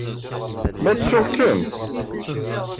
Ma ttuɣ-kem?